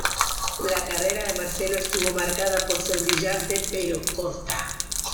La carrera de Marcelo estuvo marcada por ser brillante pero corta.